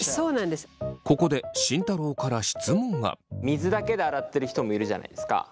水だけで洗ってる人もいるじゃないですか。